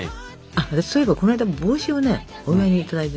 あたしそういえばこの間帽子をねお祝いにいただいてね。